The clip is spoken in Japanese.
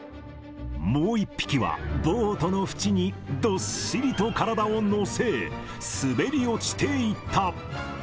もう一匹はボートの縁にどっしりと体を乗せ、滑り落ちていった。